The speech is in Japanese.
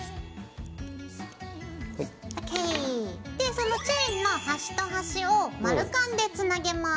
でそのチェーンの端と端を丸カンでつなげます。